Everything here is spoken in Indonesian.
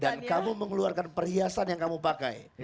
kamu mengeluarkan perhiasan yang kamu pakai